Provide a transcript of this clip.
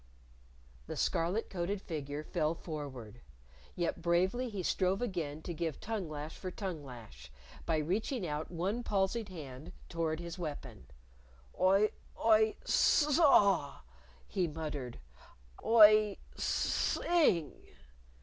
The scarlet coated figure fell forward. Yet bravely he strove again to give tongue lash for tongue lash by reaching out one palsied hand toward his weapon. "I I s a w!" he muttered; "I s s s ing!"